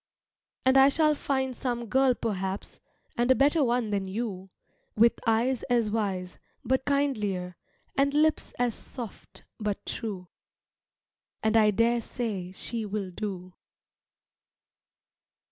And I shall find some girl perhaps, And a better one than you, With eyes as wise, but kindlier, And lips as soft, but true. And I daresay she will do.